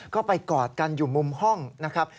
ก็ไปกอดกันอยู่มุมห้องนะครับ